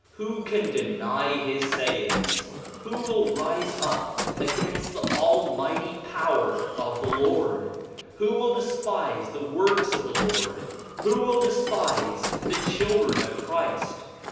Who can deny his sayings? Who will rise up against the almighty power of the Lord? Who will despise the works of the Lord? Who will despise the children of Christ?